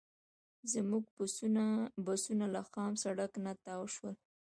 زموږ بسونه له خام سړک نه تاو شول.